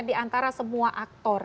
di antara semua aktor